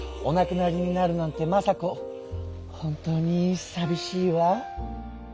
お亡くなりになるなんて政子本当にさびしいわ。